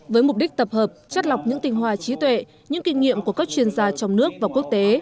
với mục đích tập hợp chắt lọc những tình hòa trí tuệ những kinh nghiệm của các chuyên gia trong nước và quốc tế